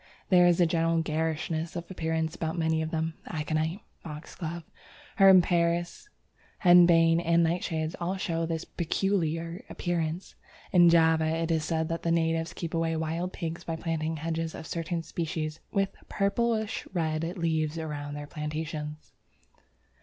There is a general garishness of appearance about many of them. Aconite, Foxglove, Herb Paris, Henbane, and Nightshades all show this peculiar appearance. In Java it is said that the natives keep away wild pigs by planting hedges of certain species with purplish red leaves around their plantations.